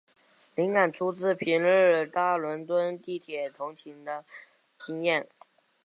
灵感出自平日搭伦敦地铁通勤的经验。